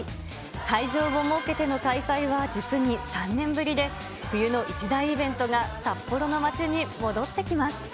会場を設けての開催は実に３年ぶりで、冬の一大イベントが札幌の街に戻ってきます。